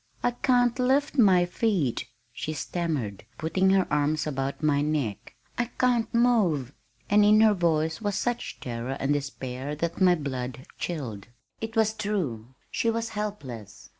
"I can't lift my feet," she stammered, putting her arms about my neck. "I can't move!" and in her voice was such terror and despair that my blood chilled. It was true! She was helpless.